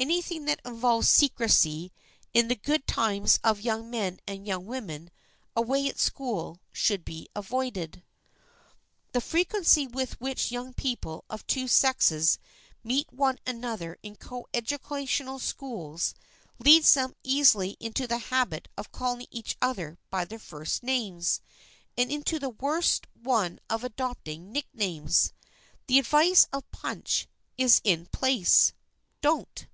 Anything that involves secrecy in the good times of young men and young women away at school should be avoided. [Sidenote: AVOID FAMILIARITY] The frequency with which young people of two sexes meet one another in coeducational schools leads them easily into the habit of calling each other by their first names, and into the worse one of adopting nicknames. The advice of Punch is in place. Don't.